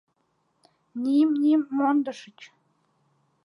Ни-ни-м мондышыч?